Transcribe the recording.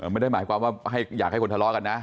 ไม่ได้หมายความว่าอยากให้คนทะเลาะกันนะ